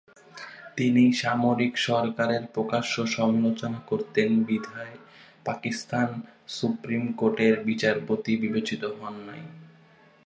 তিনি সামরিক সরকারের প্রকাশ্য সমালোচনা করতেন বিধায় পাকিস্তান সুপ্রীম কোর্টের বিচারপতি বিবেচিত হন নাই।